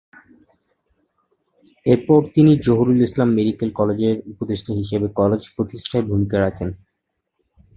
এর পর তিনি জহুরুল ইসলাম মেডিকেল কলেজের উপদেষ্টা হিসেবে কলেজ প্রতিষ্ঠায় ভূমিকা রাখেন।